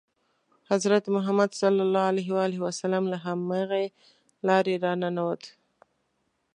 حضرت محمد له همغې لارې را ننووت.